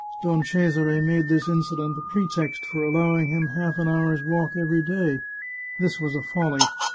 Don Cesare made this incident a pretext for allowing him half an hour's walk every day. This was a folly.